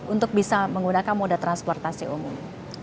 untuk bisa menggunakan moda transportasi umum